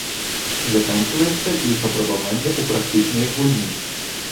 Заканчваецца іх апрабаванне ў практычнай гульні.